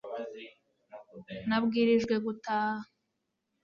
nabwirijwe gutaha